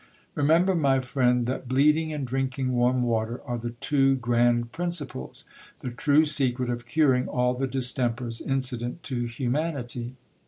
Remember, my friend, that bleeding and drinking warm water are the two grand principles ; the true secret of curing all the distempers incident to humanity.